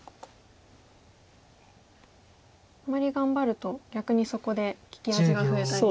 あまり頑張ると逆にそこで利き味が増えたりして。